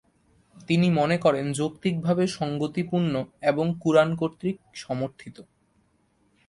তিনি মনে করেন যৌক্তিকভাবে সংগতিপূর্ণ এবং কুরআন কর্তৃক সমর্থিত।